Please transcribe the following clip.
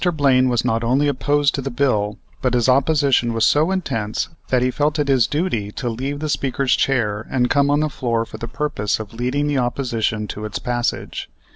Blaine was not only opposed to the bill, but his opposition was so intense that he felt it his duty to leave the Speaker's chair and come on the floor for the purpose of leading the opposition to its passage.